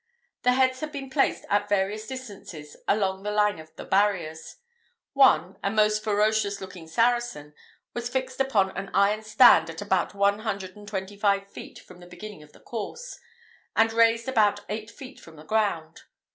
The heads had been placed, at various distances, along the line of the barriers. One, a most ferocious looking Saracen, was fixed upon an iron stand at about one hundred and twenty feet from the beginning of the course, and raised about eight feet from the ground.